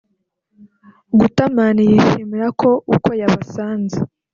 Gutterman yishimira ko uko yabasanze